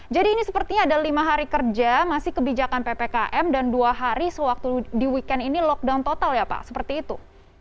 jadi ini sepertinya ada lima hari kerja masih kebijakan ppkm dan dua hari di weekend ini lockdown total ya pak seperti itu